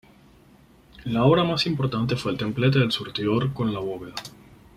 La obra más importante fue el templete del surtidor con la bóveda.